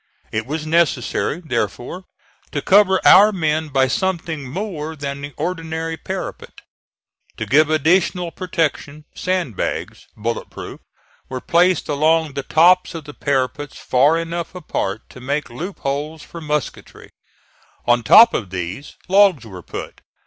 It was necessary, therefore, to cover our men by something more than the ordinary parapet. To give additional protection sand bags, bullet proof, were placed along the tops of the parapets far enough apart to make loop holes for musketry. On top of these, logs were put.